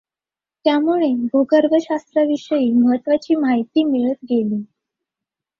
त्यामुळे, भूगर्भशास्त्राविषयी महत्त्वाची माहिती मिळत गेली.